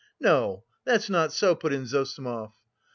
"No, that's not so," put in Zossimov.